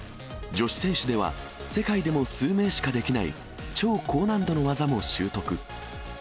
女子選手では世界でも数名しかできない、超高難度の技も習得。